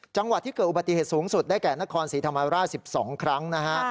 จังหวัดที่เกิดอุบัติเหตุสูงสุดได้แก่นครศรีธรรมราช๑๒ครั้งนะฮะ